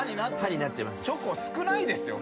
チョコ少ないですよ